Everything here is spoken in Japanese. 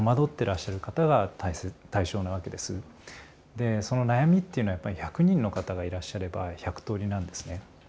でその悩みっていうのはやっぱり１００人の方がいらっしゃれば１００通りなんですね。